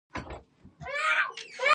ماشومان مو طبیعي پیدا شوي دي؟